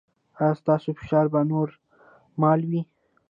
ایا ستاسو فشار به نورمال وي؟